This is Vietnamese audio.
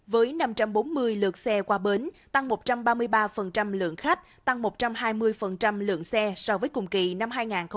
với năm trăm bốn mươi lượt xe qua bến tăng một trăm ba mươi ba lượng khách tăng một trăm hai mươi lượng xe so với cùng kỳ năm hai nghìn hai mươi hai